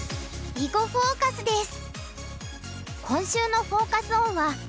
「囲碁フォーカス」です。